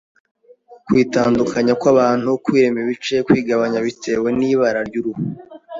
kwitandukanya kw’abantu, kwirema ibice, kwigabanya bitewe n’ibara ry’uruhu,